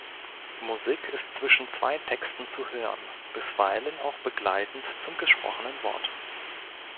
Musik ist zwischen zwei Texten zu hören, bisweilen auch begleitend zum gesprochenen Wort.